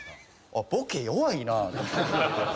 あっボケ弱いな。